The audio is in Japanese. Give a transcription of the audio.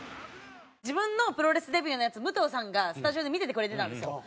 自分のプロレスデビューのやつ武藤さんがスタジオで見ててくれてたんですよ。